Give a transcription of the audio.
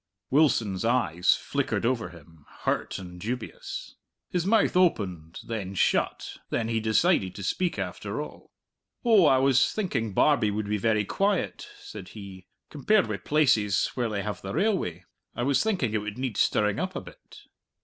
Wilson's eyes flickered over him, hurt and dubious. His mouth opened then shut then he decided to speak after all. "Oh, I was thinking Barbie would be very quiet," said he, "compared wi' places where they have the railway. I was thinking it would need stirring up a bit."